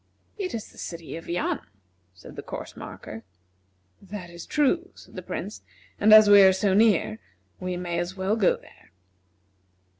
"It is the city of Yan," said the course marker. "That is true," said the Prince; "and as we are so near, we may as well go there."